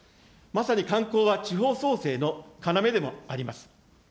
まさに観光は地方創生の要でもあります。